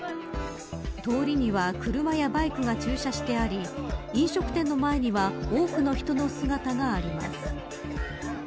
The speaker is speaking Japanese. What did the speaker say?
通りには車やバイクが駐車してあり飲食店の前には多くの人の姿があります。